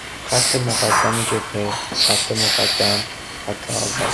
خط مقدم جبهه، خط مقدم، خط اول